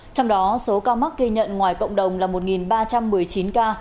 trong đó số ca mắc ghi nhận ngoài cộng đồng là một ba trăm một mươi chín ca